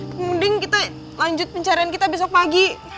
kemudian kita lanjut pencarian kita besok pagi